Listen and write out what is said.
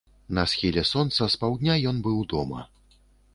На схіле сонца з паўдня ён быў дома.